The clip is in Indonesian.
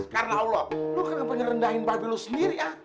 karena allah lo kenapa ngerendahin babe lo sendiri ya